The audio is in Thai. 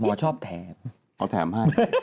หมอชอบแถมเอาแถมให้